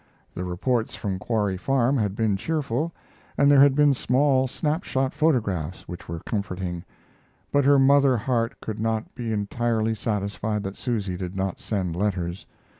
The reports from Quarry Farm had been cheerful, and there had been small snap shot photographs which were comforting, but her mother heart could not be entirely satisfied that Susy did not send letters.